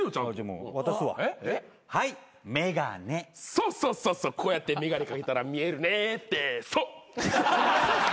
そうそうそうそうこうやって眼鏡掛けたら見えるねってそっ！